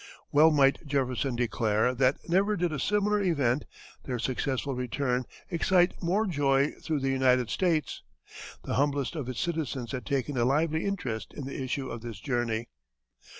Well might Jefferson declare that "never did a similar event (their successful return) excite more joy through the United States. The humblest of its citizens had taken a lively interest in the issue of this journey."